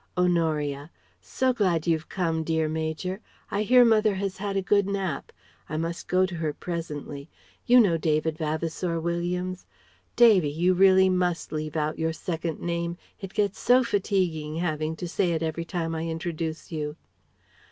Honoria: "So glad you've come, dear Major. I hear mother has had a good nap. I must go to her presently. You know David Vavasour Williams? Davy! You really must leave out your second name! It gets so fatiguing having to say it every time I introduce you."